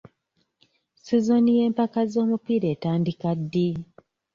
Sizoni y'empaka z'omupiira etandika ddi?